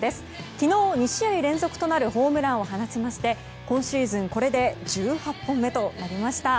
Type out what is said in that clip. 昨日、２試合連続となるホームランを放ちまして今シーズンこれで１８本目となりました。